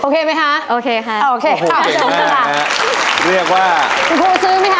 ค่ะโอเคไหมค่ะโอเคโอเคโอเคเรียกว่าคุณครูซื้อไหมค่ะ